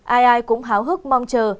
ai ai cũng háo hức mong chờ